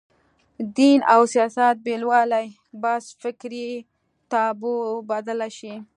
دین او سیاست بېلوالي بحث فکري تابو بدله شي